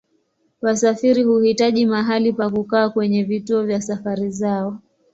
Wasafiri huhitaji mahali pa kukaa kwenye vituo vya safari zao.